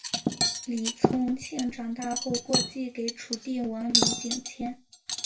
李从庆长大后过继给楚定王李景迁。